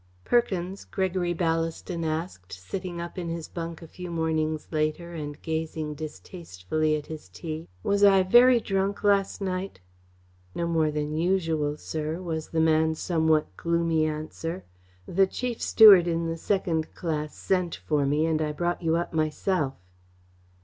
"Perkins," Gregory Ballaston asked, sitting up in his bunk a few mornings later, and gazing distastefully at his tea, "was I very drunk last night?" "No more than usual, sir," was the man's somewhat gloomy answer. "The chief steward in the second class sent for me and I brought you up myself."